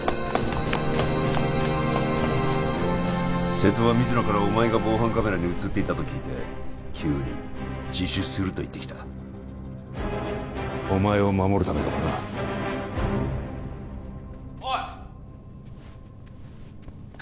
瀬戸は水野からお前が防犯カメラに写っていたと聞いて急に自首すると言ってきたお前を守るためかもなおい楓！